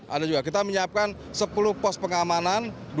ada juga kita menyiapkan sepuluh pos pengamanan